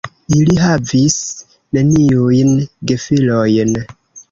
Ili havis neniujn gefilojn.